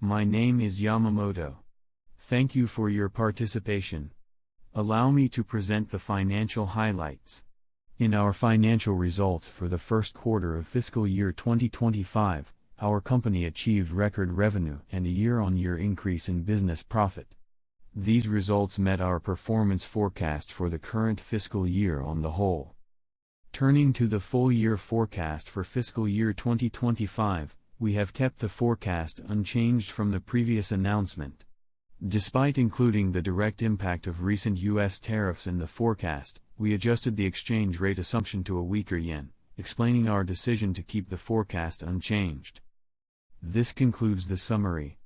My name is Katsuya Yamamoto. Thank you for your participation. Allow me to present the financial highlights. In our financial results for the first quarter of fiscal year 2025, our company achieved record revenue and a year-on-year increase in business profit. These results met our performance forecast for the current fiscal year on the whole. Turning to the full-year forecast for fiscal year 2025, we have kept the forecast unchanged from the previous announcement. Despite including the direct impact of recent U.S. tariffs in the forecast, we adjusted the exchange rate assumption to a weaker yen, explaining our decision to keep the forecast unchanged. This concludes the summary.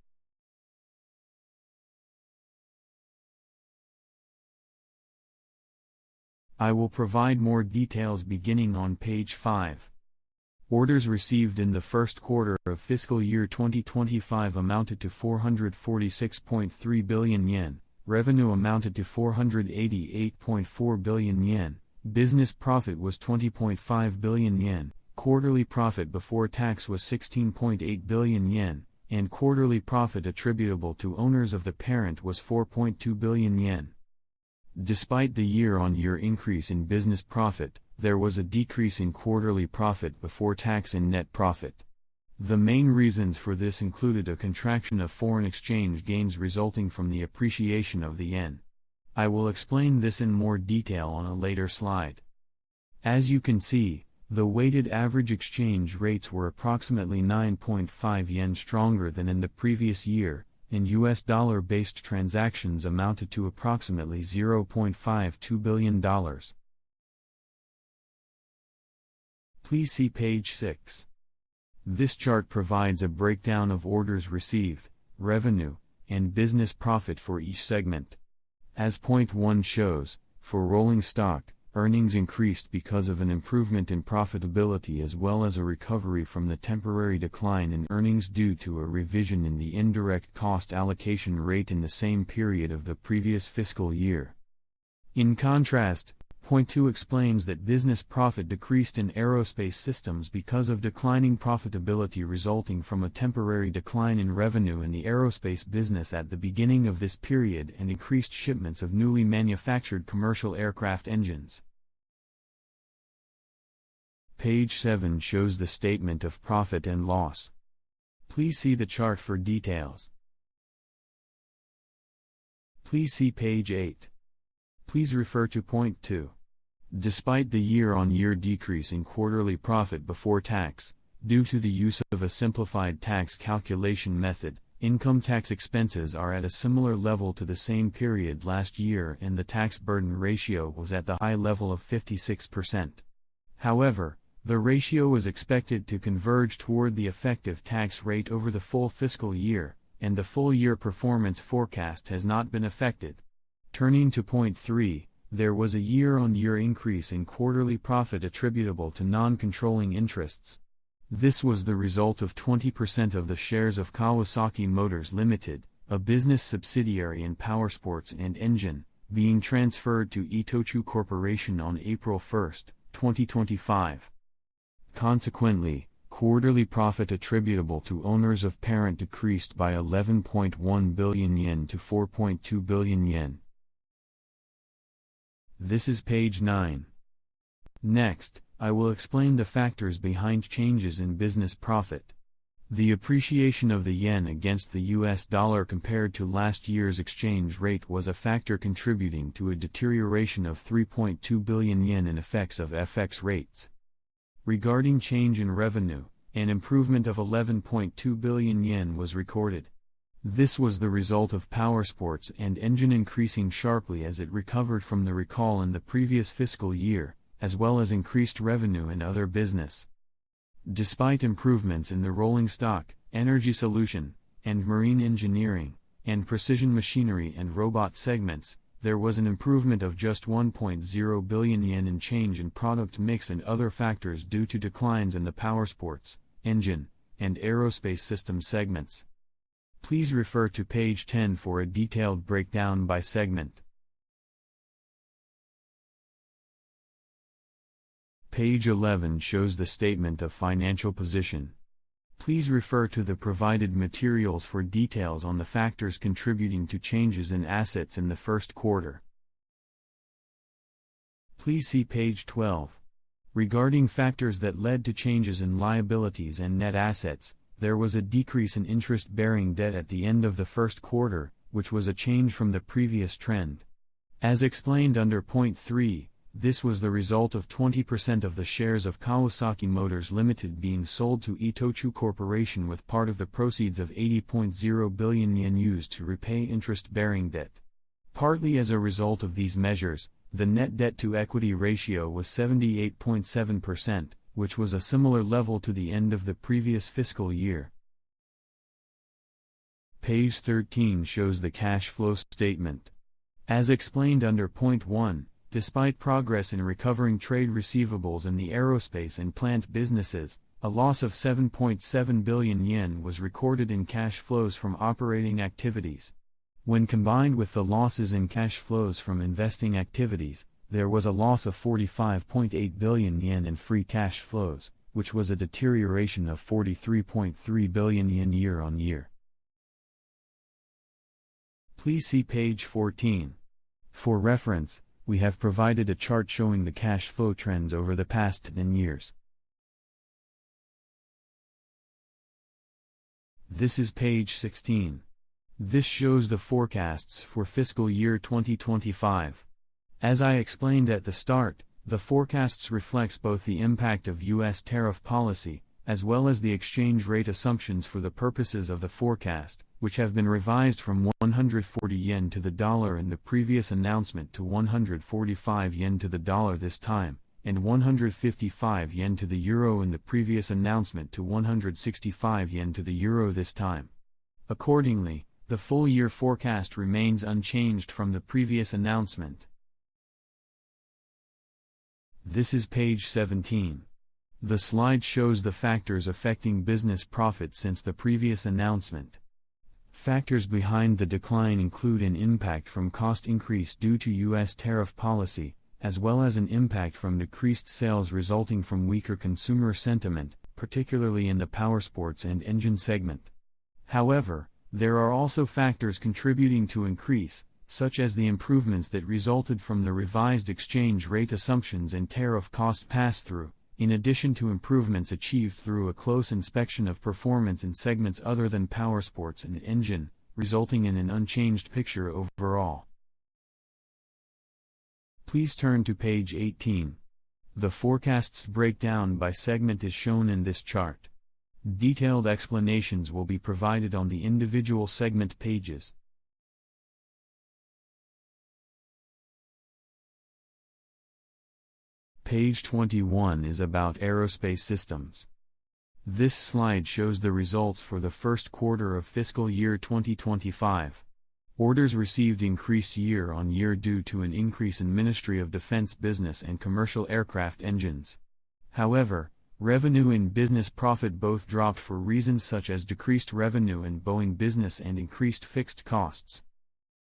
I will provide more details beginning on page 5. Orders received in the first quarter of fiscal year 2025 amounted to 446.3 billion yen, revenue amounted to 488.4 billion yen, business profit was 20.5 billion yen, quarterly profit before tax was ¥16.8 billion, and quarterly profit attributable to owners of the parent was 4.2 billion yen. Despite the year-on-year increase in business profit, there was a decrease in quarterly profit before tax and net profit. The main reasons for this included a contraction of foreign exchange gains resulting from the appreciation of the yen. I will explain this in more detail on a later slide. As you can see, the weighted average exchange rates were approximately 9.5 yen stronger than in the previous year, and U.S. dollar-based transactions amounted to approximately $0.52 billion. Please see page 6. This chart provides a breakdown of orders received, revenue, and business profit for each segment. As point 1 shows, for Rolling Stock, earnings increased because of an improvement in profitability as well as a recovery from the temporary decline in earnings due to a revision in the indirect cost allocation rate in the same period of the previous fiscal year. In contrast, point 2 explains that business profit decreased in Aerospace Systems because of declining profitability resulting from a temporary decline in revenue in the aerospace business at the beginning of this period and increased shipments of newly manufactured commercial aircraft engines. Page 7 shows the statement of profit and loss. Please see the chart for details. Please see page 8. Please refer to point 2. Despite the year-on-year decrease in quarterly profit before tax, due to the use of a simplified tax calculation method, income tax expenses are at a similar level to the same period last year and the tax burden ratio was at the high level of 56%. However, the ratio is expected to converge toward the effective tax rate over the full fiscal year, and the full-year performance forecast has not been affected. Turning to point 3, there was a year-on-year increase in quarterly profit attributable to non-controlling interests. This was the result of 20% of the shares of Kawasaki Motors Ltd., a business subsidiary in Powersports & Engine, being transferred to Itochu Corporation on April 1st, 2025. Consequently, quarterly profit attributable to owners of the parent decreased by 11.1 billion-4.2 billion yen. This is page 9. Next, I will explain the factors behind changes in business profit. The appreciation of the yen against the U.S. dollar compared to last year's exchange rate was a factor contributing to a deterioration of 3.2 billion yen in effects of FX rates. Regarding change in revenue, an improvement of 11.2 billion yen was recorded. This was the result of Powersports & Engine increasing sharply as it recovered from the recall in the previous fiscal year, as well as increased revenue in other business. Despite improvements in the Rolling Stock, Energy Solution and Marine Engineering, and Precision Machinery and Robot segments, there was an improvement of just 1.0 billion yen in change in product mix and other factors due to declines in the Powersports, Engine, and Aerospace Systems segments. Please refer to page 10 for a detailed breakdown by segment. Page 11 shows the statement of financial position. Please refer to the provided materials for details on the factors contributing to changes in assets in the first quarter. Please see page 12. Regarding factors that led to changes in liabilities and net assets, there was a decrease in interest-bearing debt at the end of the first quarter, which was a change from the previous trend. As explained under point 3, this was the result of 20% of the shares of Kawasaki Motors Ltd. being sold to Itochu Corporation with part of the proceeds of 80.0 billion yen used to repay interest-bearing debt. Partly as a result of these measures, the net debt-to-equity ratio was 78.7%, which was a similar level to the end of the previous fiscal year. Page 13 shows the cash flow statement. As explained under point 1, despite progress in recovering trade receivables in the aerospace and plant businesses, a loss of 7.7 billion yen was recorded in cash flows from operating activities. When combined with the losses in cash flows from investing activities, there was a loss of 45.8 billion yen in free cash flows, which was a deterioration of 43.3 billion yen year-on-year. Please see page 14. For reference, we have provided a chart showing the cash flow trends over the past 10 years. This is page 16. This shows the forecasts for fiscal year 2025. As I explained at the start, the forecasts reflect both the impact of U.S. tariff policy, as well as the exchange rate assumptions for the purposes of the forecast, which have been revised from 140 yen to the dollar in the previous announcement to 145 yen to the dollar this time, and 155 yen to the euro in the previous announcement to 165 yen to the euro this time. Accordingly, the full-year forecast remains unchanged from the previous announcement. This is page 17. The slide shows the factors affecting business profit since the previous announcement. Factors behind the decline include an impact from cost increase due to U.S. tariff policy, as well as an impact from decreased sales resulting from weaker consumer sentiment, particularly in the Powersports & Engine segment. However, there are also factors contributing to increase, such as the improvements that resulted from the revised exchange rate assumptions and tariff cost pass-through, in addition to improvements achieved through a close inspection of performance in segments other than Powersports & Engine, resulting in an unchanged picture overall. Please turn to page 18. The forecast's breakdown by segment is shown in this chart. Detailed explanations will be provided on the individual segment pages. Page 21 is about Aerospace Systems. This slide shows the results for the first quarter of fiscal year 2025. Orders received increased year-on-year due to an increase in Ministry of Defence business and commercial aircraft engines. However, revenue and business profit both dropped for reasons such as decreased revenue in Boeing business and increased fixed costs.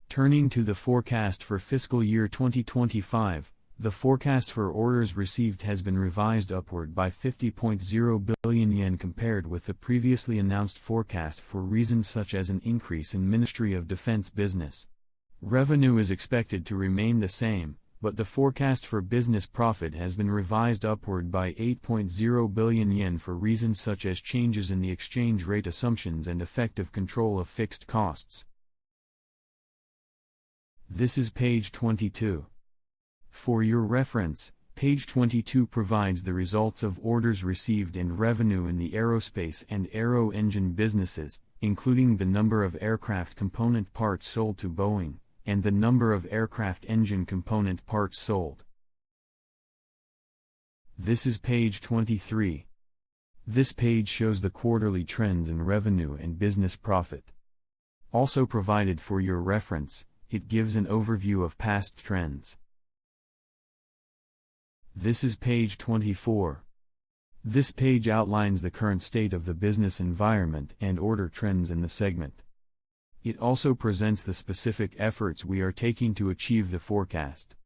Turning to the forecast for fiscal year 2025, the forecast for orders received has been revised upward by 50.0 billion yen compared with the previously announced forecast for reasons such as an increase in Ministry of Defence business. Revenue is expected to remain the same, but the forecast for business profit has been revised upward by 8.0 billion yen for reasons such as changes in the exchange rate assumptions and effective control of fixed costs. This is page 22. For your reference, page 22 provides the results of orders received and revenue in the Aerospace Systems and Aero Engine businesses, including the number of aircraft component parts sold to Boeing, and the number of aircraft engine component parts sold. This is page 23. This page shows the quarterly trends in revenue and business profit. Also provided for your reference, it gives an overview of past trends. This is page 24. This page outlines the current state of the business environment and order trends in the segment. It also presents the specific efforts we are taking to achieve the forecast.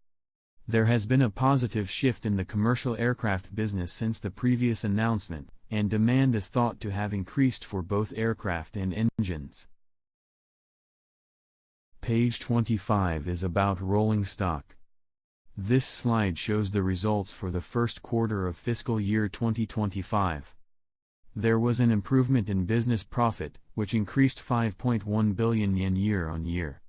There has been a positive shift in the commercial aircraft business since the previous announcement, and demand is thought to have increased for both aircraft and engines. Page 25 is about Rolling Stock. This slide shows the results for the first quarter of fiscal year 2025. There was an improvement in business profit, which increased 5.1 billion yen year-on-year.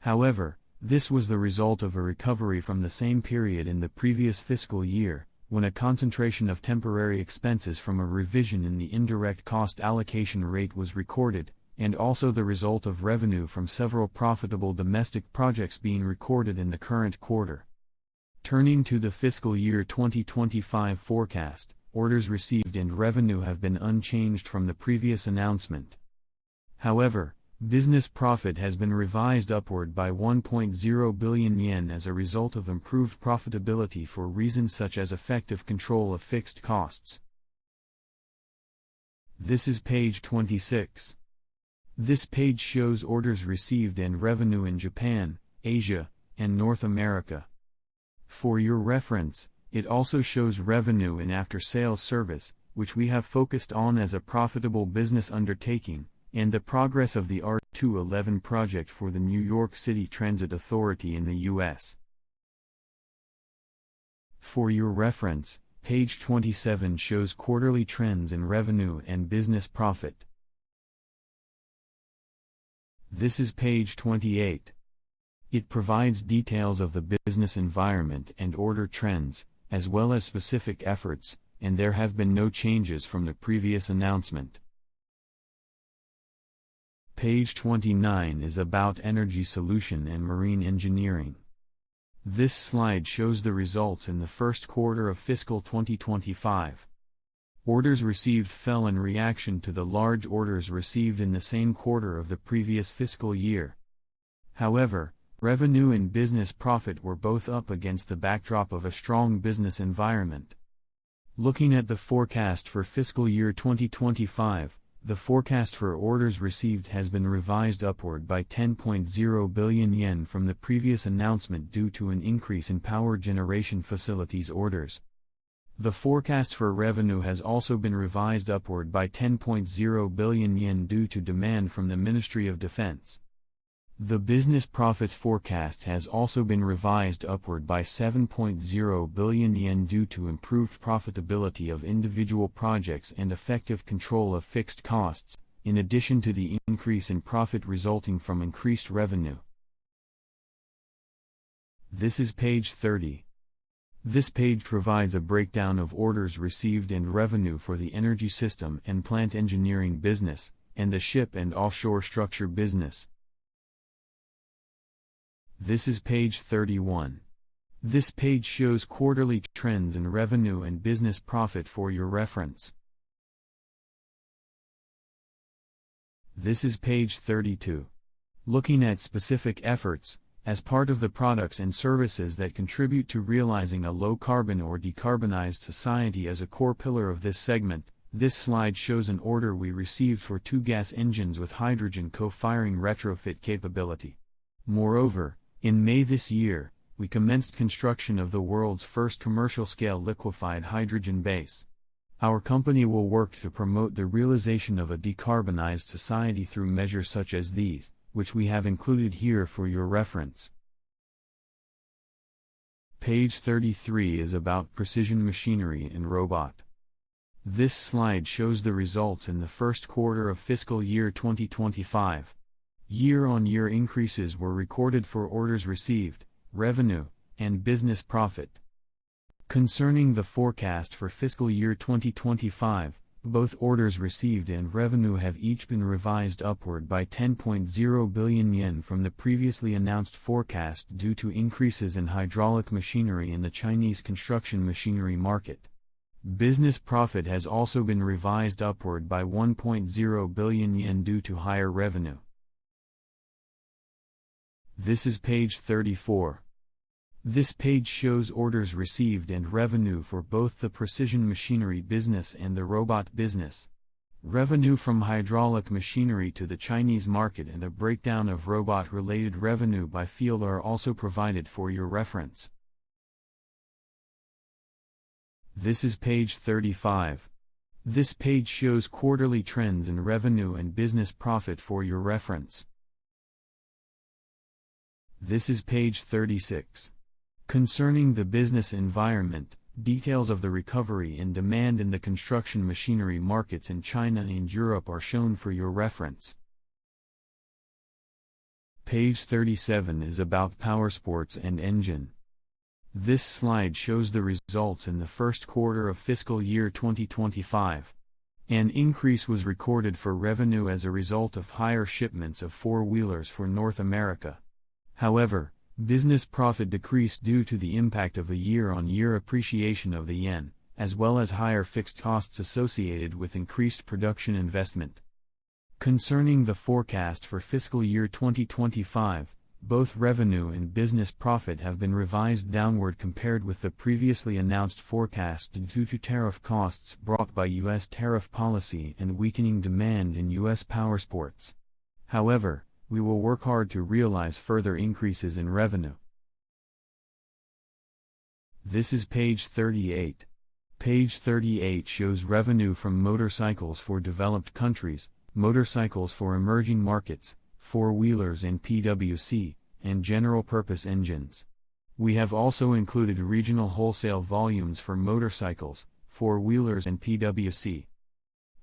However, this was the result of a recovery from the same period in the previous fiscal year, when a concentration of temporary expenses from a revision in the indirect cost allocation rate was recorded, and also the result of revenue from several profitable domestic projects being recorded in the current quarter. Turning to the fiscal year 2025 forecast, orders received and revenue have been unchanged from the previous announcement. However, business profit has been revised upward by 1.0 billion yen as a result of improved profitability for reasons such as effective control of fixed costs. This is page 26. This page shows orders received and revenue in Japan, Asia, and North America. For your reference, it also shows revenue in after-sales service, which we have focused on as a profitable business undertaking, and the progress of the R211 project for the New York City Transit Authority in the U.S. For your reference, page 27 shows quarterly trends in revenue and business profit. This is page 28. It provides details of the business environment and order trends, as well as specific efforts, and there have been no changes from the previous announcement. Page 29 is about Energy Solution and Marine Engineering. This slide shows the results in the first quarter of fiscal 2025. Orders received fell in reaction to the large orders received in the same quarter of the previous fiscal year. However, revenue and business profit were both up against the backdrop of a strong business environment. Looking at the forecast for fiscal year 2025, the forecast for orders received has been revised upward by 10.0 billion yen from the previous announcement due to an increase in power generation facilities orders. The forecast for revenue has also been revised upward by 10.0 billion yen due to demand from the Ministry of Defence. The business profit forecast has also been revised upward by 7.0 billion yen due to improved profitability of individual projects and effective control of fixed costs, in addition to the increase in profit resulting from increased revenue. This is page 30. This page provides a breakdown of orders received and revenue for the Energy System and Plant Engineering business, and the ship and offshore structure business. This is page 31. This page shows quarterly trends in revenue and business profit for your reference. This is page 32. Looking at specific efforts, as part of the products and services that contribute to realizing a low-carbon or decarbonized society as a core pillar of this segment, this slide shows an order we received for two gas engines with hydrogen co-firing retrofit capability. Moreover, in May this year, we commenced construction of the world's first commercial-scale liquefied hydrogen base. Our company will work to promote the realization of a decarbonized society through measures such as these, which we have included here for your reference. Page 33 is about Precision Machinery and Robot. This slide shows the results in the first quarter of fiscal year 2025. Year-on-year increases were recorded for orders received, revenue, and business profit. Concerning the forecast for fiscal year 2025, both orders received and revenue have each been revised upward by 10.0 billion yen from the previously announced forecast due to increases in hydraulic machinery in the Chinese construction machinery market. Business profit has also been revised upward by 1.0 billion yen due to higher revenue. This is page 34. This page shows orders received and revenue for both the Precision Machinery business and the Robot business. Revenue from hydraulic machinery to the Chinese market and a breakdown of robot-related revenue by field are also provided for your reference. This is page 35. This page shows quarterly trends in revenue and business profit for your reference. This is page 36. Concerning the business environment, details of the recovery in demand in the construction machinery markets in China and Europe are shown for your reference. Page 37 is about Powersports & Engine. This slide shows the results in the first quarter of fiscal year 2025. An increase was recorded for revenue as a result of higher shipments of four-wheelers for North America. However, business profit decreased due to the impact of a year-on-year appreciation of the yen, as well as higher fixed costs associated with increased production investment. Concerning the forecast for fiscal year 2025, both revenue and business profit have been revised downward compared with the previously announced forecast due to tariff costs brought by U.S. tariff policy and weakening demand in U.S. powersports. However, we will work hard to realize further increases in revenue. This is page 38. Page 38 shows revenue from motorcycles for developed countries, motorcycles for emerging markets, four-wheelers and PWC, and general-purpose engines. We have also included regional wholesale volumes for motorcycles, four-wheelers and PWC.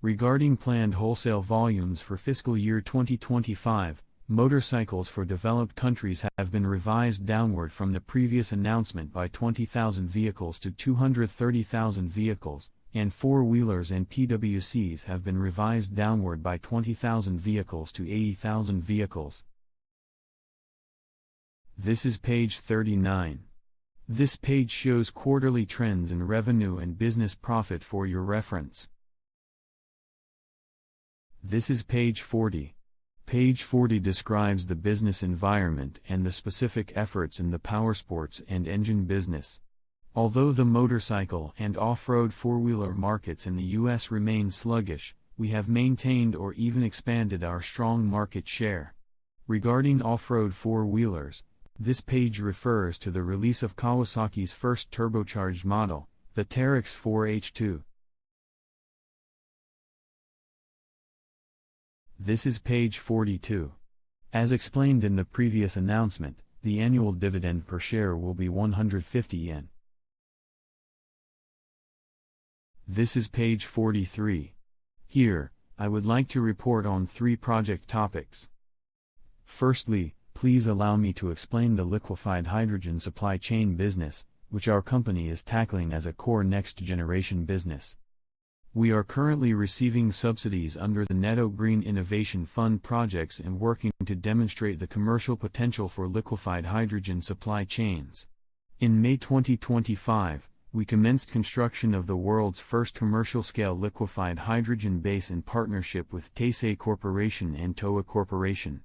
Regarding planned wholesale volumes for fiscal year 2025, motorcycles for developed countries have been revised downward from the previous announcement by 20,000 vehicles to 230,000 vehicles, and four-wheelers and PWCs have been revised downward by 20,000 vehicles to 80,000 vehicles. This is page 39. This page shows quarterly trends in revenue and business profit for your reference. This is page 40. Page 40 describes the business environment and the specific efforts in the Powersports & Engine business. Although the motorcycle and off-road four-wheeler markets in the U.S. remain sluggish, we have maintained or even expanded our strong market share. Regarding off-road four-wheelers, this page refers to the release of Kawasaki's first turbocharged model, the Teryx 4 H2. This is page 42. As explained in the previous announcement, the annual dividend per share will be 150 yen. This is page 43. Here, I would like to report on three project topics. Firstly, please allow me to explain the liquefied hydrogen supply chain business, which our company is tackling as a core next-generation business. We are currently receiving subsidies under the NEDO Green Innovation Fund projects and working to demonstrate the commercial potential for liquefied hydrogen supply chains. In May 2025, we commenced construction of the world's first commercial-scale liquefied hydrogen base in partnership with TASE Corporation and TOA Corporation.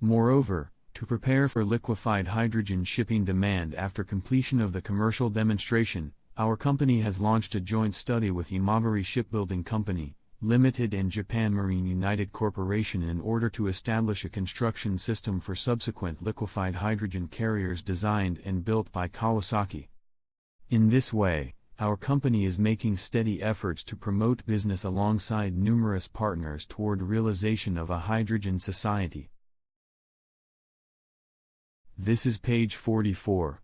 Moreover, to prepare for liquefied hydrogen shipping demand after completion of the commercial demonstration, our company has launched a joint study with Imabari Shipbuilding Co., Ltd. and Japan Marine United Corporation in order to establish a construction system for subsequent liquefied hydrogen carriers designed and built by Kawasaki. In this way, our company is making steady efforts to promote business alongside numerous partners toward the realization of a hydrogen society. This is page 44.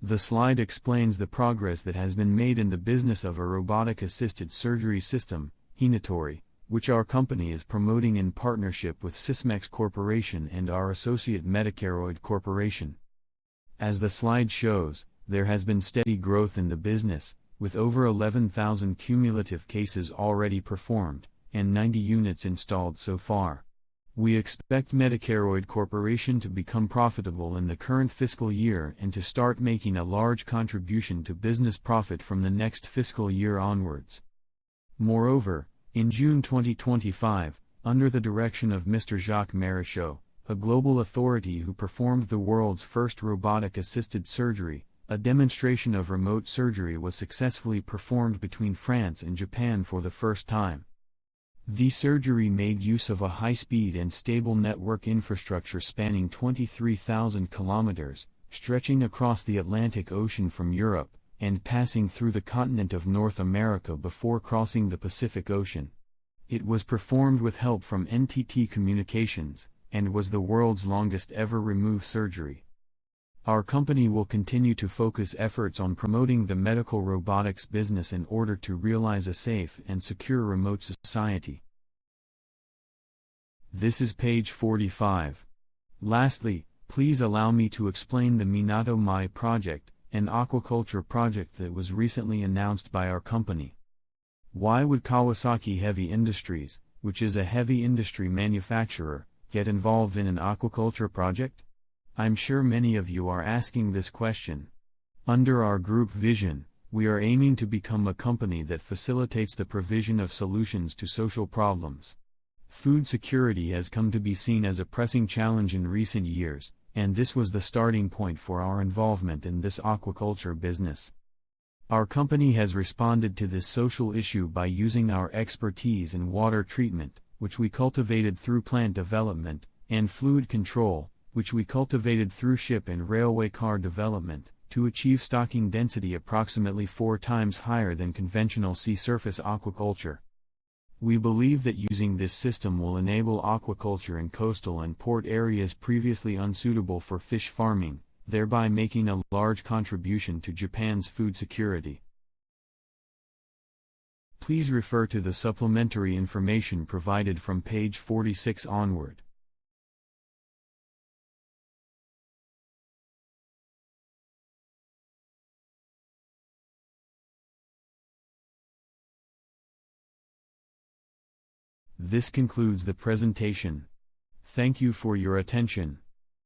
The slide explains the progress that has been made in the business of a robotic-assisted surgery system, Hinatori, which our company is promoting in partnership with Sysmex Corporation and our associate Medicaroid Corporation. As the slide shows, there has been steady growth in the business, with over 11,000 cumulative cases already performed, and 90 units installed so far. We expect Medicaroid Corporation to become profitable in the current fiscal year and to start making a large contribution to business profit from the next fiscal year onwards. Moreover, in June 2025, under the direction of Dr. Jacques Marescaux, a global authority who performed the world's first robotic-assisted surgery, a demonstration of remote surgery was successfully performed between France and Japan for the first time. The surgery made use of a high-speed and stable network infrastructure spanning 23,000 km, stretching across the Atlantic Ocean from Europe, and passing through the continent of North America before crossing the Pacific Ocean. It was performed with help from NTT Communications and was the world's longest ever remote surgery. Our company will continue to focus efforts on promoting the medical robotics business in order to realize a safe and secure remote society. This is page 45. Lastly, please allow me to explain the Minato Mai aquaculture project, an aquaculture project that was recently announced by our company. Why would Kawasaki Heavy Industries, which is a heavy industry manufacturer, get involved in an aquaculture project? I'm sure many of you are asking this question. Under our group vision, we are aiming to become a company that facilitates the provision of solutions to social problems. Food security has come to be seen as a pressing challenge in recent years, and this was the starting point for our involvement in this aquaculture business. Our company has responded to this social issue by using our expertise in water treatment, which we cultivated through plant development, and fluid control, which we cultivated through ship and railway car development, to achieve stocking density approximately four times higher than conventional sea-surface aquaculture. We believe that using this system will enable aquaculture in coastal and port areas previously unsuitable for fish farming, thereby making a large contribution to Japan's food security. Please refer to the supplementary information provided from page 46 onward. This concludes the presentation. Thank you for your attention.